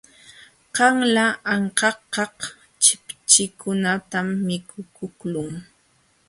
Qanla ankakaq chipchikunatam mikukuqlun.